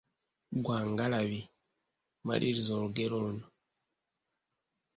Gwa ngalabi, maliriza olugero luno.